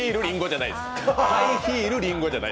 ハイヒールりんごじゃない。